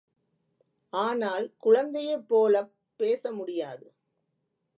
ஆனால் குழந்தையைப் போலப் பேச முடியாது.